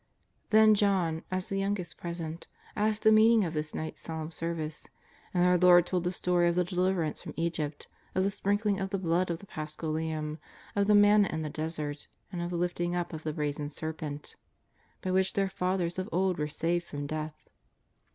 Then John, as the youngest present, asked the mean ing of this night's solemn service, and our Lord told the story of the deliverance from Egypt, of the sprink ling of the blood of the Paschal Lamb, of the Manna in the desert, and of the lifting up of the Brazen Ser 328 JESUS OF NAZARETH. pent, by which their fathers of old were saved from death.